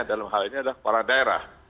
dalam hal ini adalah kepala daerah